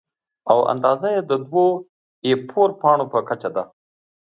او اندازه یې د دوو اې فور پاڼو په کچه ده.